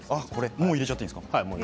もう入れちゃっていいんですか？